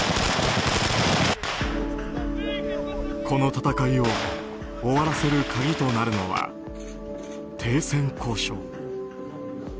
この戦いを終わらせる鍵となるのは停戦交渉。